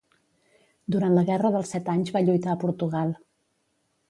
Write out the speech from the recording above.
Durant la Guerra dels Set Anys va lluitar a Portugal.